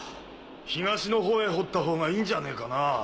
東のほうへ掘ったほうがいいんじゃねえかな。